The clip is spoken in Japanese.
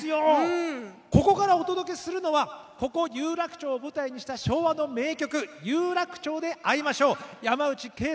ここからお届けするのはここ有楽町を舞台にした昭和の名曲「有楽町で逢いましょう」。